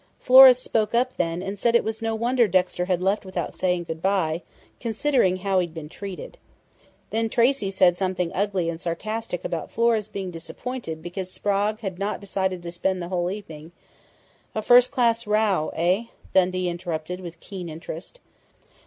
Flora spoke up then and said it was no wonder Dexter had left without saying good by, considering how he'd been treated. Then Tracey said something ugly and sarcastic about Flora's being disappointed because Sprague had decided not to spend the whole evening " "A first class row, eh?" Dundee interrupted, with keen interest.